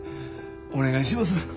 お願いします。